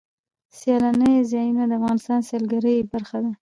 سیلانی ځایونه د افغانستان د سیلګرۍ برخه ده.